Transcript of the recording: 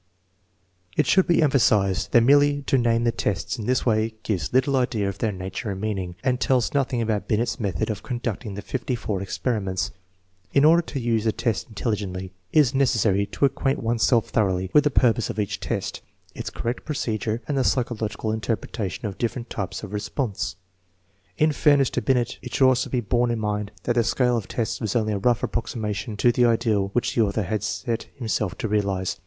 It should be emphasized that merely to name the tests in this way gives little idea of their nature and meaning, and tells nothing about Binet's method of conducting the 54 experiments. In order to use the tests intelligently it is necessary to acquaint one's self thoroughly with the pur pose of each test, its correct procedure, and the psychologi cal interpretation of different types of response. 1 In fairness to Binet, it should also be borne in mind that the scale of tests was only a rough approximation to the ideal which the author had set himself to realize.